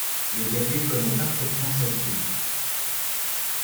Le gabier connaissait parfaitement cette route.